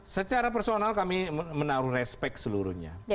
secara personal kami menaruh respect seluruhnya